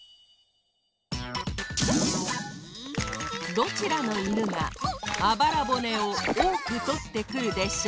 どちらのいぬがあばら骨をおおくとってくるでしょう？